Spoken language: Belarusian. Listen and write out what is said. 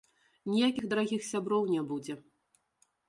Ніякіх дарагіх сяброў не будзе.